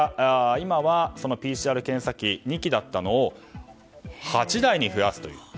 今はＰＣＲ検査機が２機だったのを８台に増やすと。